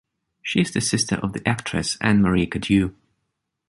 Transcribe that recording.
She is the sister of the actress, Anne-Marie Cadieux.